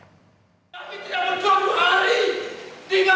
tapi tidak mencoboh hari dikabur siapa dia